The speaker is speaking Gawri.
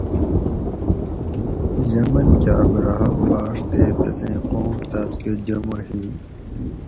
یمن کہ ابرھہ پھاۤڛ تے تسیں قوم تاسکہ جمع ہی